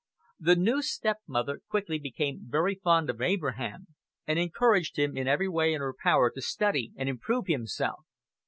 The new stepmother quickly became very fond of Abraham, and encouraged him in every way in her power to study and improve himself.